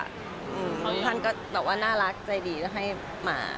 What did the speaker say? ค่อนข้างก็แบบว่าน่ารักใจดีให้มา